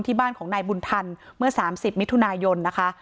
ที่บ้านของนายบุญทันเมื่อ๓๐มิถุนายนนะคะ